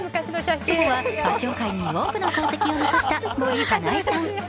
祖母はファッション界に多くの功績を残した森英恵さん。